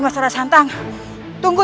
mas rasha tunggu